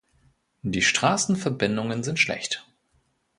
Die Straßenverbindungen sind schlecht.